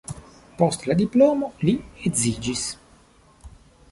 Post la diplomo li edziĝis.